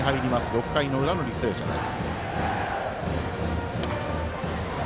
６回の裏の履正社です。